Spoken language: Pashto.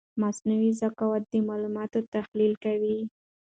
مصنوعي ذکاوت د معلوماتو تحلیل کوي.